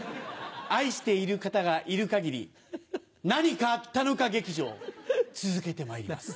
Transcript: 愛している方がいる限り何かあったのか劇場続けてまいります。